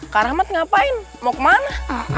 kak rahmat ngapain mau kemana